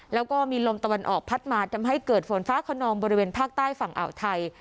แล้วก็มีลมตะวันออกพัดมาทำให้เกิดฝนฟ้าขนองบริเวณภาคใต้ฝั่งอ่าวไทย